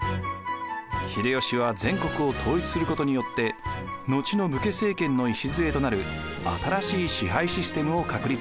秀吉は全国を統一することによって後の武家政権の礎となる新しい支配システムを確立します。